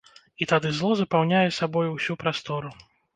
І тады зло запаўняе сабою ўсю прастору.